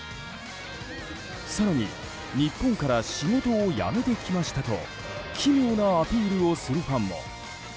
更に、日本から仕事を辞めて来ましたと奇妙なアピールをするファンも。